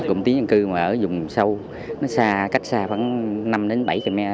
cùng tiến nhân cư mà ở dùng sâu nó xa cách xa khoảng năm bảy km